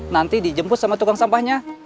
nanti dijemput sama tukang sampahnya